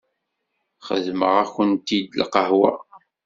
Xedmeɣ-akent-id lqahwa.